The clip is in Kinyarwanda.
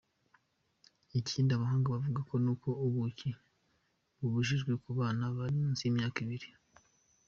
Ikindi abahanga bavuga nuko ubuki bubujijwe ku bana bari munsi y’imyaka ibiri.